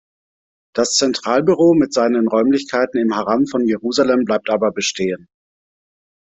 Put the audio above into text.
Das Zentralbüro mit seinen Räumlichkeiten im Haram von Jerusalem blieb aber bestehen.